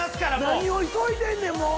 何を急いでんねんもう。